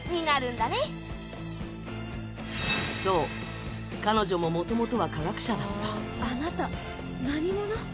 そう彼女も元々は科学者だったあなた何者？